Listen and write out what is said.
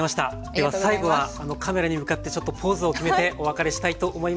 では最後はカメラに向かってちょっとポーズを決めてお別れしたいと思います。